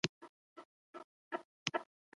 بې ژبې پښتانه به بې هویتۍ ته رسېږي.